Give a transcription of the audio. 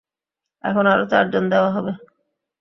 এখন আরও চারজন দেওয়া হবে।